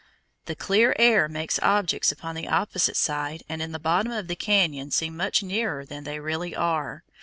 The clear air makes objects upon the opposite side and in the bottom of the cañon seem much nearer than they really are.